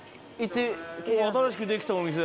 新しくできたお店。